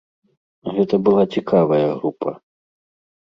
Гэта была цікавая група.